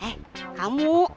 hai neng ceti masih inget nggak